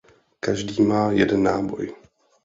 Každý má jeden náboj.